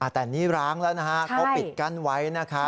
แต่นี่ร้างแล้วนะฮะเขาปิดกั้นไว้นะคะ